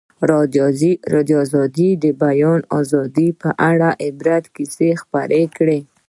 ازادي راډیو د د بیان آزادي په اړه د عبرت کیسې خبر کړي.